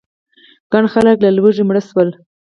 ګڼ خلک له لوږې مړه شول.